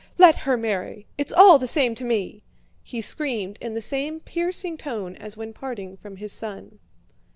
"Let her marry, it's all the same to me!" he screamed in the same piercing tone as when parting from his son.